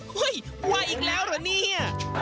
เฮ่ยว่ายอีกแล้วเหรอนี่